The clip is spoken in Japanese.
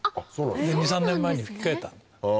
２３年前にふき替えた。